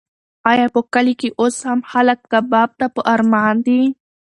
ایا په کلي کې اوس هم خلک کباب ته په ارمان دي؟